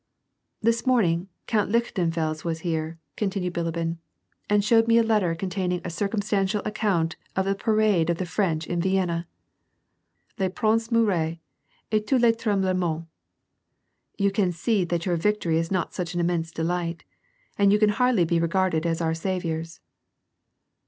" This morning, Count Lichtenfels was here," continued Bil ibin, " and showed me a letter containing a circumstantial ac count of the parade of the French in Vienna. Le Prince Murat et tout le tremhlement — You can see that your victory is not such an immense delight, and you can hardly be regarded as our saviours."